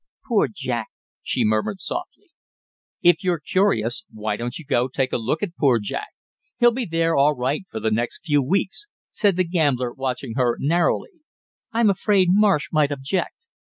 "Poor Jack!" she murmured softly. "If you're curious, why don't you go take a look at poor Jack? He'll be there all right for the next few weeks," said the gambler, watching her narrowly. "I'm afraid Marsh might object."